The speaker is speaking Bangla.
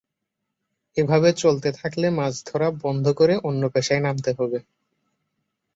এভাবে চলতে থাকলে মাছ ধরা বন্ধ করে অন্য পেশায় নামতে হবে।